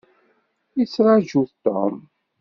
Yettṛaju-t Tom.